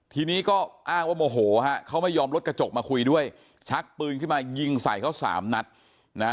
ทีนี้ก็อ้างว่าโมโหฮะเขาไม่ยอมรถกระจกมาคุยด้วยชักปืนขึ้นมายิงใส่เขาสามนัดนะ